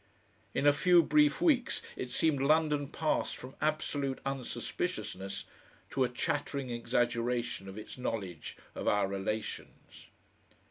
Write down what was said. In a few brief weeks it seemed London passed from absolute unsuspiciousness to a chattering exaggeration of its knowledge of our relations.